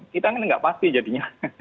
kita kan nggak pasti jadinya